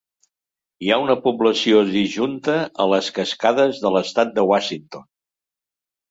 Hi ha una població disjunta a les Cascades de l'estat de Washington.